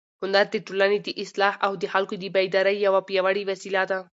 هنر د ټولنې د اصلاح او د خلکو د بیدارۍ یوه پیاوړې وسیله ده.